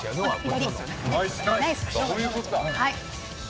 左。